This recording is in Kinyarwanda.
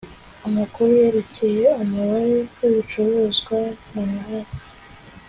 amakuru yerekeye umubare w’ibicuruzwa ntayahari.